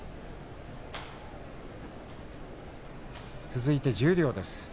続いて十両です。